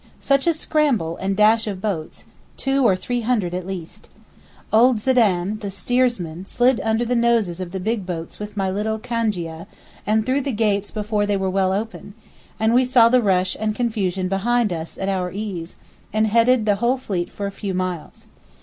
Such a scramble and dash of boats—two or three hundred at least. Old Zedan, the steersman, slid under the noses of the big boats with my little Cangia and through the gates before they were well open, and we saw the rush and confusion behind us at our ease, and headed the whole fleet for a few miles.